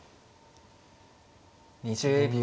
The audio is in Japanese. ２０秒。